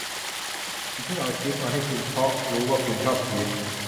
ฉันเพิ่งเอาชีสมาให้คุณเพราะรู้ว่าคุณชอบชีส